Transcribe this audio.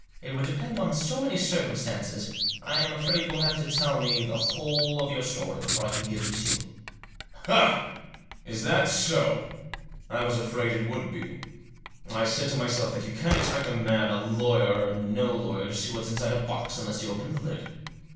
It would depend on so many circumstances. I am afraid you will have to tell me the whole of your story before I can be of use to you." " Ah ! That so ? I was afraid it would be. I said to myself that you can't expect a man, lawyer or no lawyer, to see what's inside a box unless you open the lid.